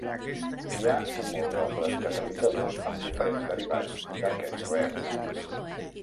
Hi ha molts altres catalitzadors amb diferents derivats d'aquests reactants.